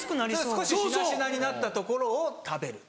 少ししなしなになったところを食べる。